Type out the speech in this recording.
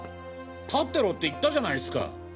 立ってろって言ったじゃないっスか？